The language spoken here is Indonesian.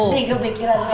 masih kepikiran rendy